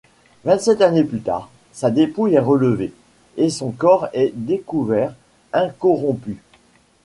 Vingt-sept années plus tard, sa dépouille est relevée, et son corps est découvert incorrompu.